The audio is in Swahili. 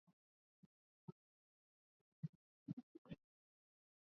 lililotolewa na jeshi la Uganda kwamba lingeondoa wanajeshi